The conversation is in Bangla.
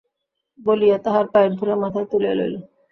বলিয়া তাঁহার পায়ের ধূলা মাথায় তুলিয়া লইল।